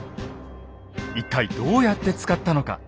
一体どうやって使ったのか。